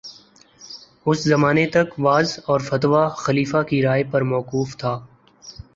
اس زمانے تک وعظ اور فتویٰ خلیفہ کی رائے پر موقوف تھا